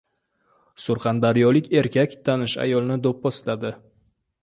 Surxondaryolik erkak tanish ayolni do‘pposladi